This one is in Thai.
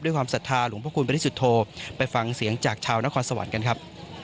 ความศรัทธาหลวงพระคุณบริสุทธโธไปฟังเสียงจากชาวนครสวรรค์กันครับ